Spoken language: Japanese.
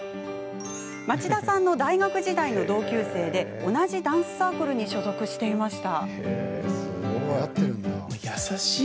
町田さんの大学時代の同級生で同じダンスサークルに所属していました。